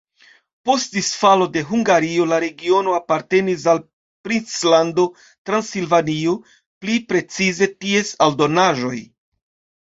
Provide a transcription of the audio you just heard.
Post disfalo de Hungario la regiono apartenis al princlando Transilvanio, pli precize ties aldonaĵoj.